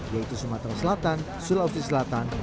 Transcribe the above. yaitu sumatera selatan sulawesi selatan